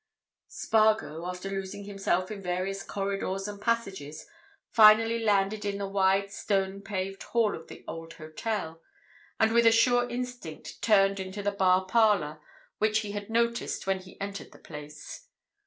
Spargo, after losing himself in various corridors and passages, finally landed in the wide, stone paved hall of the old hotel, and with a sure instinct turned into the bar parlour which he had noticed when he entered the place.